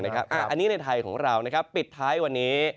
อันนี้ในไทยของเราปิดท้ายวันนี้